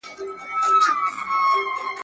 د وصال شېبه.